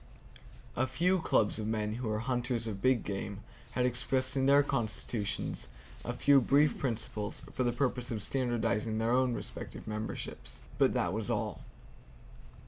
A few clubs of men who are hunters of big game had expressed in their constitutions a few brief principles for the purpose of standardizing their own respective memberships, but that was all.